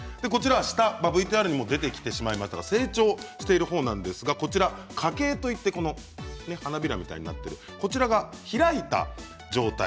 下はＶＴＲにも出てきてしまいました、成長しているほうなんですが花茎といって花びらみたいになっているこちらが開いた状態。